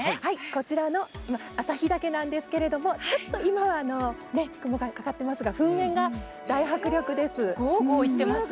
こちらの旭岳なんですけれども今は雲がかかってますが噴煙が大迫力です。